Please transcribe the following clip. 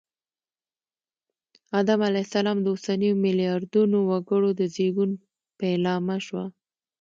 آدم علیه السلام د اوسنیو ملیاردونو وګړو د زېږون پیلامه شوه